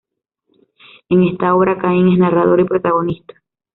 En esta obra Caín es narrador y protagonista.